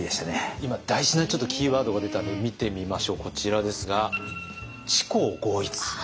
今大事なキーワードが出たので見てみましょうこちらですが「知行合一」。